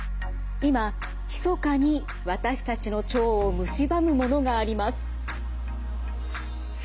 今ひそかに私たちの腸をむしばむものがあります。